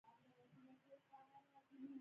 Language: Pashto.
موټرګی او وزنه دواړه وزن کړئ.